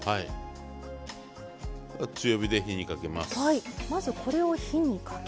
強火で火にかけます。